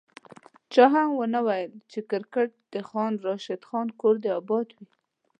چا هم ونه ویل چي کرکیټ د خان راشد خان کور دي اباد وي